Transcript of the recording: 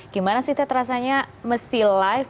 gimana sih ted rasanya mesti live